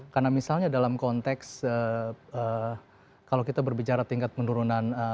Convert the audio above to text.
karena misalnya dalam konteks kalau kita berbicara tingkat penurunan